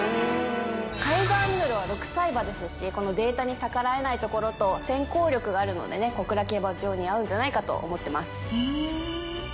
カイザーミノルは６歳馬ですしこのデータに逆らえないところと先行力があるのでね小倉競馬場に合うんじゃないかと思ってます。